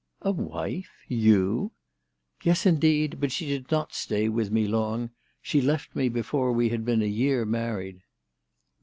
"A wife! You!" "Yes indeed. But she did not stay with me long. She left me before we had been a year married."